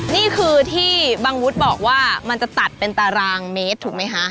นี่คือที่บางวุฒิบอกว่ามันจะตัดเป็นตารางเมตรถูกไหมคะ